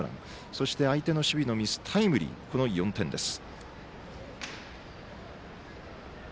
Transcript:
そして、相手の守備のミスタイムリーの４点です。